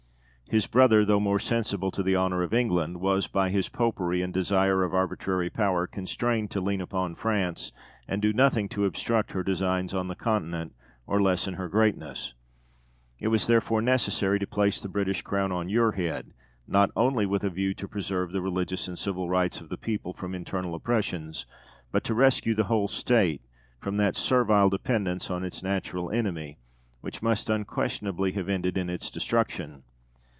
His brother, though more sensible to the honour of England, was by his Popery and desire of arbitrary power constrained to lean upon France, and do nothing to obstruct her designs on the Continent or lessen her greatness. It was therefore necessary to place the British Crown on your head, not only with a view to preserve the religious and civil rights of the people from internal oppressions, but to rescue the whole State from that servile dependence on its natural enemy, which must unquestionably have ended in its destruction.